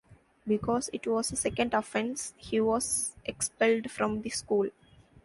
Because it was a second offense, he was expelled from the school.